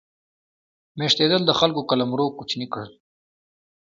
میشتېدل د خلکو قلمرو کوچني کړل.